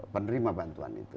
penerima bantuan itu